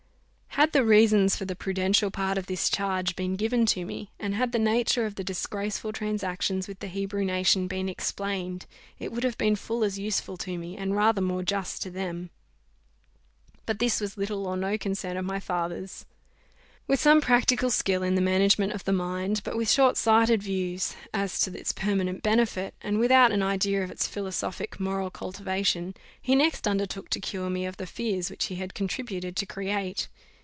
Had the reasons for the prudential part of this charge been given to me, and had the nature of the disgraceful transactions with the Hebrew nation been explained, it would have been full as useful to me, and rather more just to them. But this was little or no concern of my father's. With some practical skill in the management of the mind, but with short sighted views as to its permanent benefit, and without an idea of its philosophic moral cultivation, he next undertook to cure me of the fears which he had contributed to create.